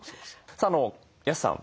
さあ安さん